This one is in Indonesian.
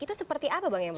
itu seperti apa bang emrus